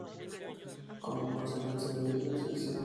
Como consecuencia de ello se hicieron varios intentos.